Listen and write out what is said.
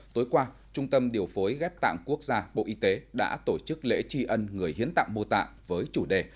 tối qua trung tâm điều phối ghép tạng quốc gia bộ y tế đã tổ chức lễ tri ân người hiến tạng mô tạng với chủ đề